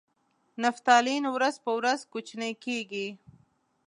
نفتالین ورځ په ورځ کوچنۍ کیږي.